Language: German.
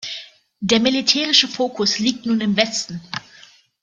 Der militärische Fokus liegt nun im Westen.